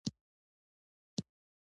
زه د ټک ټاک د خندا ویډیوګانې خوښوم.